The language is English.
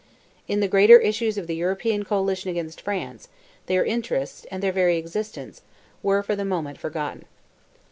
In the greater issues of the European coalition against France, their interests, and their very existence, were for the moment forgotten.